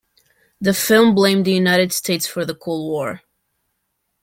The film blamed the United States for the Cold War.